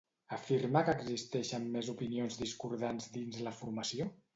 Afirma que existeixen més opinions discordants dins la formació?